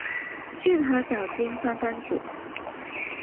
骏河沼津藩藩主。